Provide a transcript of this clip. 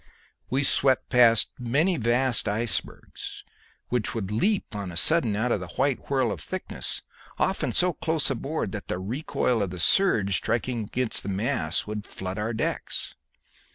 We swept past many vast icebergs, which would leap on a sudden out of the white whirl of thickness, often so close aboard that the recoil of the surge striking against the mass would flood our decks.